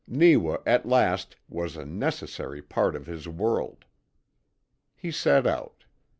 Neewa, at last, was a necessary part of his world. He set out.